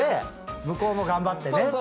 向こうも「頑張ってね」